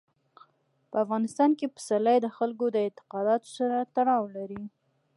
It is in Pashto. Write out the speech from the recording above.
په افغانستان کې پسرلی د خلکو د اعتقاداتو سره تړاو لري.